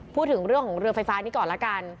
พูดถึงเรื่องของเรือไฟฟ้านี้ก่อนละกัน